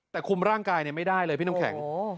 แต่คุมร่างกายไม่ได้เลยพี่น้ำแข็ง